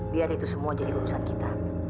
biar itu semua jadi urusan kita